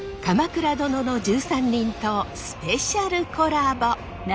「鎌倉殿の１３人」とスペシャルコラボ。